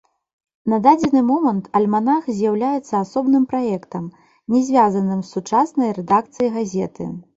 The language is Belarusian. На дадзены момант альманах з'яўляецца асобным праектам, не звязаным з сучаснай рэдакцыяй газеты.